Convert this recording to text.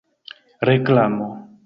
reklamo